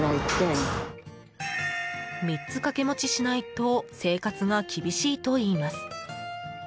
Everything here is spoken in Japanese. ３つ掛け持ちしないと生活が厳しいといいます。